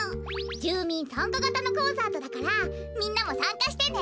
じゅうみんさんかがたのコンサートだからみんなもさんかしてね！